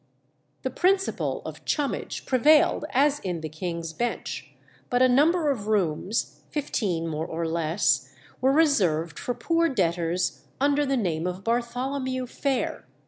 The principle of "chummage" prevailed as in the King's Bench, but a number of rooms, fifteen more or less, were reserved for poor debtors under the name of Bartholomew Fair.